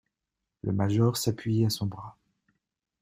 Le major s'appuyait à son bras.